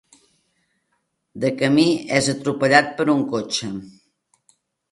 De camí, és atropellat per un cotxe.